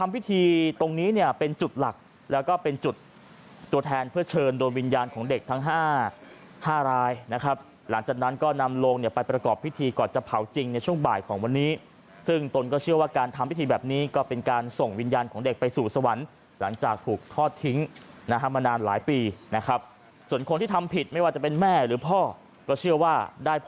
พิธีตรงนี้เนี่ยเป็นจุดหลักแล้วก็เป็นจุดตัวแทนเพื่อเชิญโดยวิญญาณของเด็กทั้ง๕๕รายนะครับหลังจากนั้นก็นำโลงเนี่ยไปประกอบพิธีก่อนจะเผาจริงในช่วงบ่ายของวันนี้ซึ่งตนก็เชื่อว่าการทำพิธีแบบนี้ก็เป็นการส่งวิญญาณของเด็กไปสู่สวรรค์หลังจากถูกทอดทิ้งนะฮะมานานหลายปีนะครับส่วนคนที่ทำผิดไม่ว่าจะเป็นแม่หรือพ่อก็เชื่อว่าได้พ